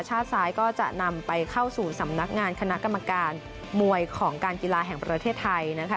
ซ้ายก็จะนำไปเข้าสู่สำนักงานคณะกรรมการมวยของการกีฬาแห่งประเทศไทยนะคะ